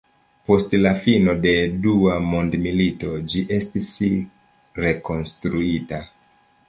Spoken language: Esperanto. Post la fino de Dua Mondmilito ĝi ne estis rekonstruita.